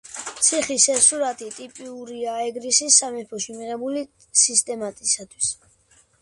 ციხის ეს სურათი ტიპიურია ეგრისის სამეფოში მიღებული სისტემისათვის.